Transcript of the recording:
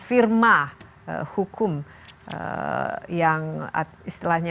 firma hukum yang istilahnya